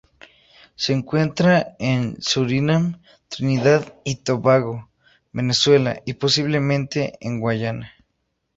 Se encuentra en Surinam, Trinidad y Tobago, Venezuela y, posiblemente, en Guayana.